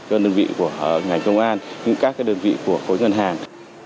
các đơn vị của ngành công an các đơn vị của khối ngân hàng